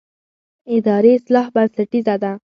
اداري اصلاح بنسټیزه ده